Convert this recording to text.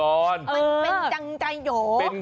มันเป็นจังใจโห